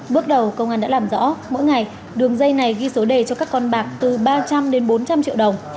bước đầu công an đã làm rõ mỗi ngày đường dây này ghi số đề cho các con bạc từ ba trăm linh đến bốn trăm linh triệu đồng